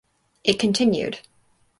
It continued.